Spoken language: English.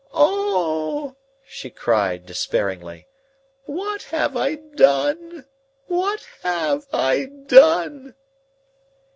"O!" she cried, despairingly. "What have I done! What have I done!"